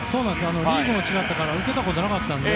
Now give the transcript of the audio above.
リーグが違ったから受けたことがなかったので。